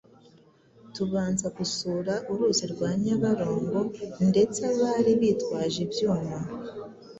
tubanza gusura uruzi rwa Nyabarongo, ndetse abari bitwaje ibyuma